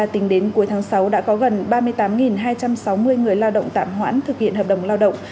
tính đến cuối tháng sáu đã có gần ba mươi tám hai trăm sáu mươi người lao động tạm hoãn thực hiện hợp đồng lao động